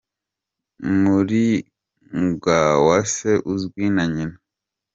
Umuringawase uzwi nanyina.